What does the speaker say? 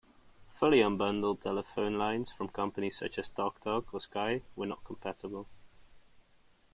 Fully unbundled telephone lines from companies such as TalkTalk or Sky were not compatible.